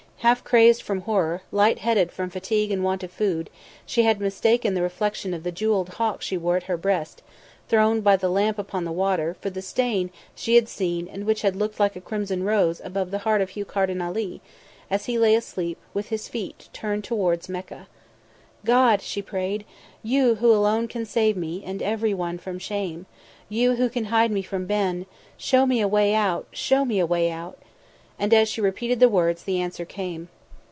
Half crazed from horror, light headed from fatigue and want of food, she had mistaken the reflection of the jewelled Hawk she wore at her breast, thrown by the lamp upon the water, for the stain she had seen and which had looked like a crimson rose above the heart of Hugh Carden Ali, as he lay asleep, with his feet turned towards Mecca. "God!" she prayed. "You Who alone can save me and everyone from shame; You Who can hide me from Ben show me a way out show me a way out!" And as she repeated the words, the answer came.